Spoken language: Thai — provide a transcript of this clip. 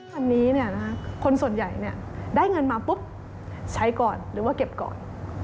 คันนี้คนส่วนใหญ่ได้เงินมาปุ๊บใช้ก่อนหรือว่าเก็บก่อน